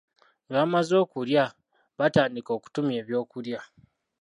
Nga bamaze okulya, baatandika okutumya eby'okulya.